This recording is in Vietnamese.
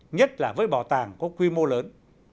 nhất là với bảo tàng có quy mô lớn